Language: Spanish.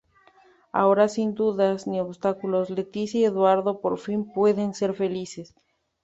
Ahora, sin dudas ni obstáculos, Leticia y Eduardo por fin pueden ser felices.